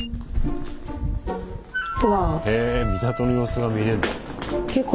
へ港の様子が見れんだ。